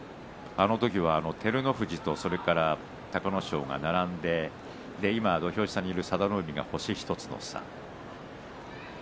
あの時は照ノ富士と隆の勝が並んで土俵下にいる佐田の海が星１つの差。